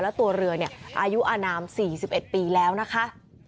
แล้วตัวเรืออายุอนาม๔๑ปีแล้วนะคะ